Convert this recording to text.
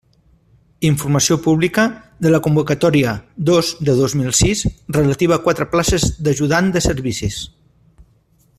Informació publica de la Convocatòria dos de dos mil sis, relativa a quatre places d'ajudant de servicis.